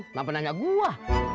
nggak pernah nanya gue